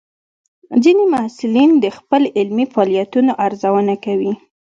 ځینې محصلین د خپل علمي فعالیتونو ارزونه کوي.